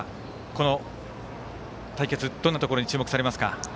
この対決どんなところに注目されますか。